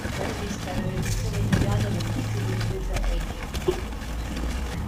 La rivista era l'edizione italiana del mensile inglese "Edge".